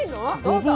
どうぞ。